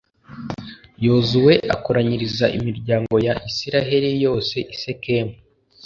yozuwe akoranyiriza imiryango ya israheli yose i sikemu